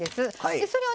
でそれをね